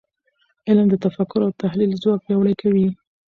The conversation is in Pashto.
علم د تفکر او تحلیل ځواک پیاوړی کوي .